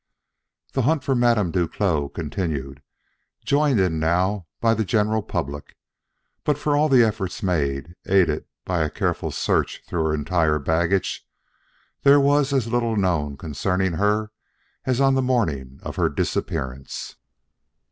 The hunt for Madame Duclos continued, joined in now by the general public. But for all the efforts made, aided by a careful search through her entire baggage, there was as little known concerning her as on the morning of her disappearance.